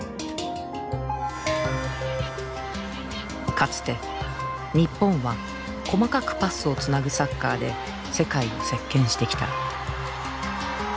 かつて日本は細かくパスをつなぐサッカーで世界を席けんしてきた。